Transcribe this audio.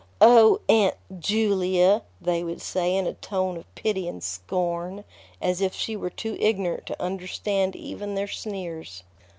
"O Aunt _Ju_lia!" they would say in a tone of pity and scorn, as if she were too ignorant to understand even their sneers.